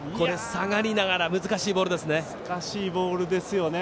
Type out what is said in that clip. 下がりながら難しいボールですね。